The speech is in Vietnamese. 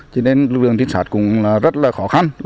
cho nên lực lượng tiến sát cũng rất khó khăn